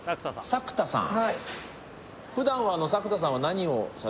作田さん